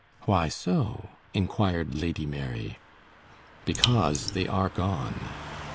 "Why so?" inquired Lady Mary. "Because they are gone."